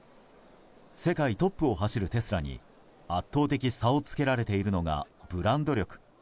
世界トップを走るテスラに圧倒的差をつけられているのがブランド力。